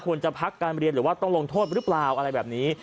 พักการเรียนหรือว่าต้องลงโทษหรือเปล่าอะไรแบบนี้